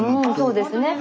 そうですね。